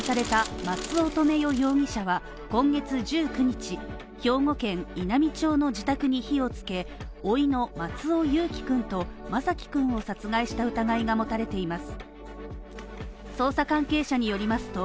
今朝送検された松尾留与容疑者は今月１９日兵庫県稲美町の自宅に火をつけ、おいの松尾侑城くんと眞輝くんを殺害した疑いが持たれています。